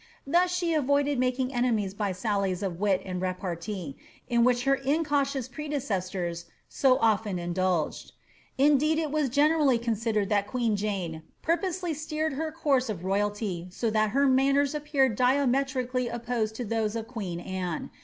Thus she avoided making enemies by sallies of wit and repartee, in vhich her incautious pr^ecessors so often indulged. Indeed, it was geoeimlly considered that queen Jane purposely steered her course of royalty so that her manners appeared diametrically opposite to those of qneen Anne.